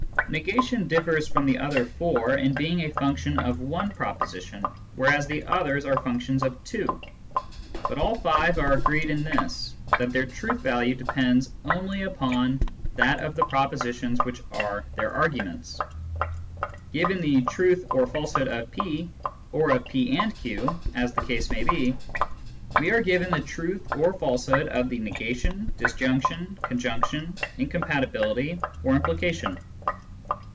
Negation differs from the other four in being a function of one proposition, whereas the others are functions of two. But all five agree in this, that their truth value depends only upon that of the propositions which are their arguments. Given the truth or falsehood of p, or of p and q (as the case may be), we are given the truth or falsehood of the negation, disjunc tion, conjunction, incompatibility, or implication.